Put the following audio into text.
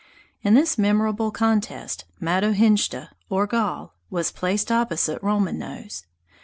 In this memorable contest, Matohinshda, or Gall, was placed opposite Roman Nose.